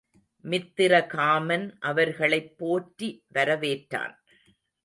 மித்திரகாமன் அவர்களைப் போற்றி வரவேற்றான்.